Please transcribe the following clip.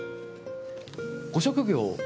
ご職業。